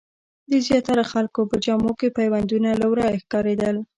د زیاترو خلکو په جامو کې پیوندونه له ورايه ښکارېدل.